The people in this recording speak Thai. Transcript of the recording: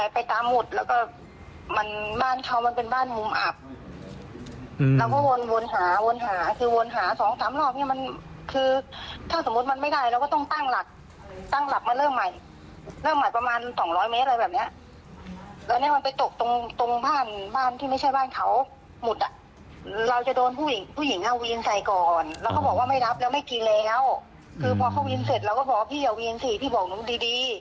พอเขาวินเสร็จแล้วก็บอกว่าพี่อย่าวินสิพี่บอกน้องดี